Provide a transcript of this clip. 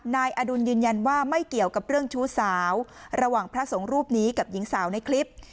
นายอดุลยืนยันว่าไม่เกี่ยวกับเรื่องชู้สาวระหว่างพระสงฆ์รูปนี้กับหญิงสาวในคลิป